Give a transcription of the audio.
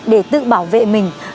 để tự bảo vệ mình